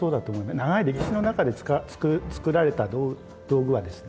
長い歴史の中で作られた道具はですね